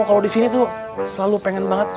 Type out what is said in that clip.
kalo disini tuh selalu pengen banget